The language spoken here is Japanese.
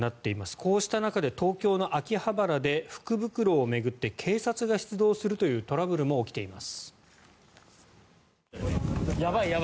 こうした中で東京の秋葉原で福袋を巡って警察が出動するというトラブルも起きています。